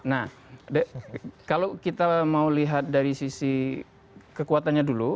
nah kalau kita mau lihat dari sisi kekuatannya dulu